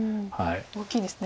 大きいですね。